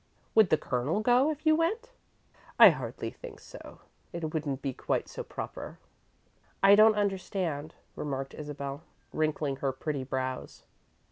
"Would the Colonel go, if you went?" "I hardly think so. It wouldn't be quite so proper." "I don't understand," remarked Isabel, wrinkling her pretty brows.